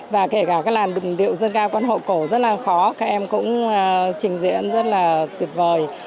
và kể cả các làn điệu dân ca quan hộ cổ rất là khó các em cũng trình diễn rất là tuyệt vời